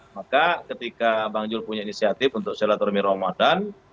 maka ketika bang jul punya inisiatif untuk silaturahmi ramadan